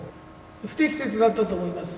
不適切だったと思います。